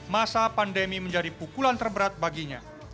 masa pandemi menjadi pukulan terberat baginya